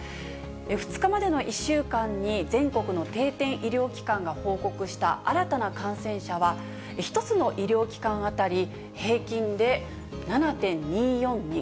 ２日までの１週間に、全国の定点医療機関が報告した新たな感染者は、１つの医療機関当たり、平均で７．２４人。